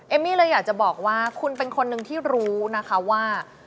มี่เลยอยากจะบอกว่าคุณเป็นคนหนึ่งที่รู้นะคะว่า